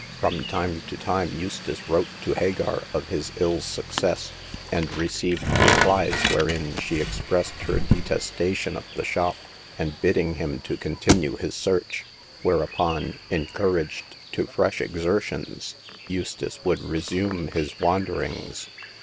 From time to time Eustace wrote to Hagar of his ill success, and received replies wherein she ex pressed her detestation of the shop, and bidding him continue his search ; whereupon, encouraged to fresh exertions, Eustace would resume his wanderings.